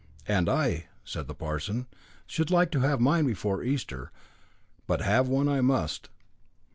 "And I," said the parson, "should like to have mine before Easter, but have one I must."